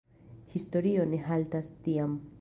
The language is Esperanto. Historio ne haltas tiam.